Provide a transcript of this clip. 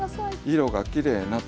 色がきれいなと。